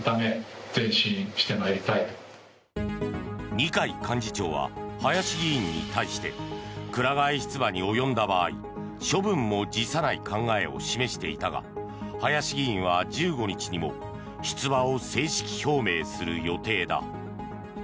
二階幹事長は林議員に対してくら替え出馬に及んだ場合処分も辞さない考えを示していたが林議員は１５日にも出馬を正式表明する予定だ。